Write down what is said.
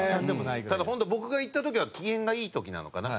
ただ本当僕が行った時は機嫌がいい時なのかな？